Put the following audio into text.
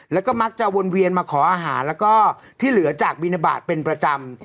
แล้วก็มักจะวนเวียนมาขออาหารแล้วก็ที่เหลือจากบินทบาทเป็นประจำ